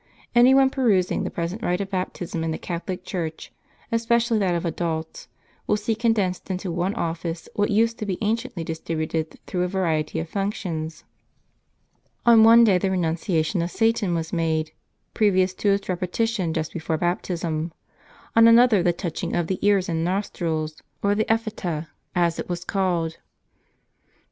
Any one perusing the present rite of baptism in the Catholic Church, especially that of adults, will see condensed into one office what used to be anciently distributed through a variety of functions. On one day the renunciation of Satan was made, previous to its repe tition just before baptism ; on another the touching of the ears and nostrils, or the EphpJieta, as it was called. Then were * Audientes.